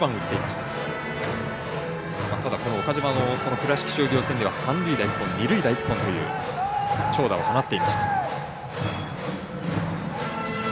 ただ、岡島も、倉敷商業戦では三塁打１本二塁打１本という長打を放っていました。